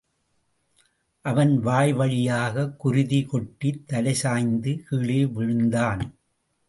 அவன் வாய்வழியாக, குருதி கொட்டித் தலைசாய்ந்து, கீழே விழுந்தான்.